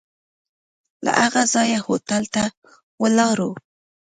له هغه ځایه هوټل ته ولاړو.